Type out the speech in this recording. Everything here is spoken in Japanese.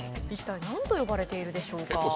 一体何と呼ばれているでしょうか。